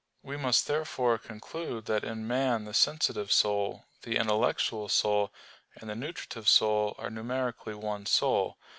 We must therefore conclude that in man the sensitive soul, the intellectual soul, and the nutritive soul are numerically one soul.